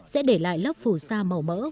sẽ để lại lớp phù sa màu mỡ